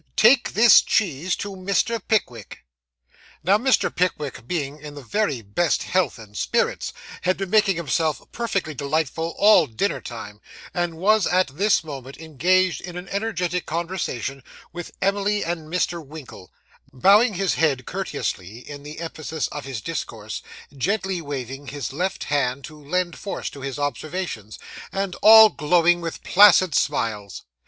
Take this cheese to Mr. Pickwick.' Now, Mr. Pickwick being in the very best health and spirits, had been making himself perfectly delightful all dinner time, and was at this moment engaged in an energetic conversation with Emily and Mr. Winkle; bowing his head, courteously, in the emphasis of his discourse, gently waving his left hand to lend force to his observations, and all glowing with placid smiles.